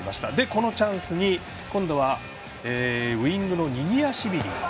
このチャンスに今度はウイングのニニアシビリ。